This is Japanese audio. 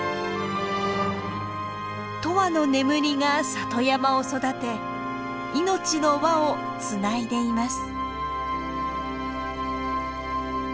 永遠の眠りが里山を育て命の輪をつないでいます。